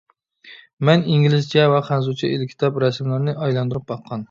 مەن ئىنگلىزچە ۋە خەنزۇچە ئېلكىتاب، رەسىملەرنى ئايلاندۇرۇپ باققان.